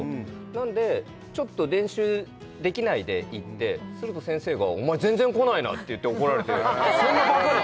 なんでちょっと練習できないで行ってすると先生が「お前全然来ないな」って言って怒られて「そんなバカな！」